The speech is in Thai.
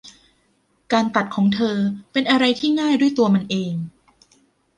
การตัดของเธอเป็นอะไรที่ง่ายด้วยตัวมันเอง